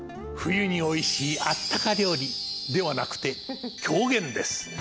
冬においしいあったか料理！ではなくて狂言です。